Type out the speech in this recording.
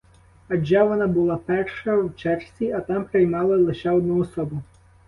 Адже вона була перша в черзі, а там приймали лише одну особу.